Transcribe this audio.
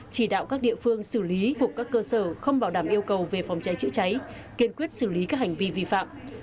chỉ đạo các địa phương xử lý phục các cơ sở không bảo đảm yêu cầu về phòng cháy chữa cháy kiên quyết xử lý các hành vi vi phạm